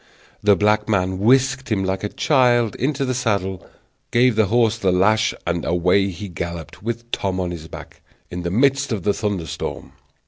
The black man whisked him like a child into the saddle, gave the horse the lash, and away he galloped, with Tom on his back, in the midst of the thunder storm.